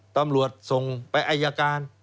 ตำรวจส่งไปอายการ